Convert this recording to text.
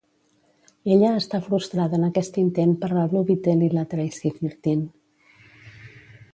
Ella està frustrada en aquest intent per la Blue Beetle i la Traci Thirteen.